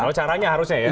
kalau caranya harusnya ya